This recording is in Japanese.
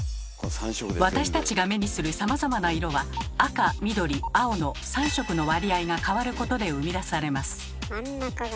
私たちが目にするさまざまな色は赤緑青の３色の割合が変わることで生み出されます。